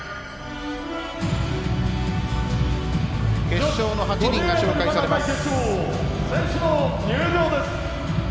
決勝の８人が紹介されます。